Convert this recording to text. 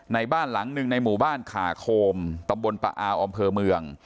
บ้านหลังหนึ่งในหมู่บ้านขาโคมตำบลปะอาวอำเภอเมือง